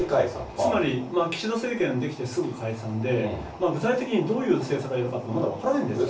つまり岸田政権出来てすぐ解散で、具体的にどういう政策をやりたいのかって、まだ分からないんですよ。